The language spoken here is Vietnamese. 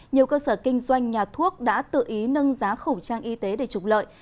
nhiều cơ sở kinh doanh nhà thuốc đã tự ý nâng giá khẩu trang y tế để trục lợi